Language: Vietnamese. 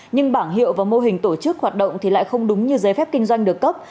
nhưng bảng hiệu và mô hình tổ chức hoạt động thì lại không đúng như giấy phép kinh doanh được cấp